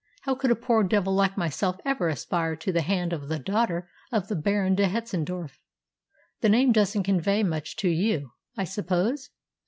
"How could a poor devil like myself ever aspire to the hand of the daughter of the Baron de Hetzendorf? The name doesn't convey much to you, I suppose?"